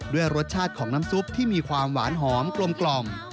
ด้วยรสชาติของน้ำซุปที่มีความหวานหอมกลม